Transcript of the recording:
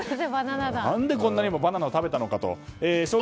なぜこんなにもバナナを食べたのか。